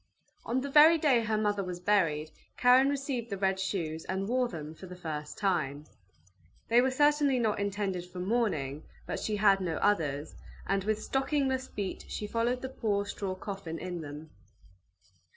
On the very day her mother was buried, Karen received the red shoes, and wore them for the first time. They were certainly not intended for mourning, but she had no others, and with stockingless feet she followed the poor straw coffin in them.